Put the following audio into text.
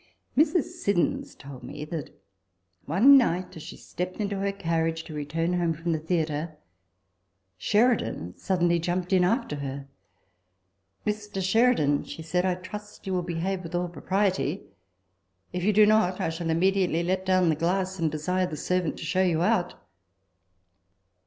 Mrs. Siddons told me that one night as she stepped into her carriage to return home from the theatre, Sheridan suddenly jumped in after her. " Mr. Sheridan," she said, " I trust that you will behave with all propriety : if you do not, I shall immediately let down the glass, and desire the servant to show you out."